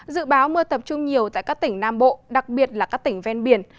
dự báo mưa tập trung nhiều tại các tỉnh nam bộ đặc biệt là các tỉnh ven biển